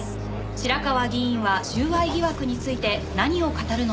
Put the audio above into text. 白河議員は収賄疑惑について何を語るのでしょうか？